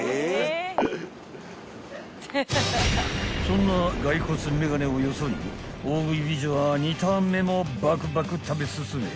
［そんなガイコツメガネをよそに大食い美女は２ターン目もバクバク食べ進め］